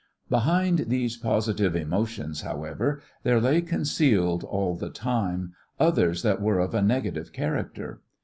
Behind these positive emotions, however, there lay concealed all the time others that were of a negative character.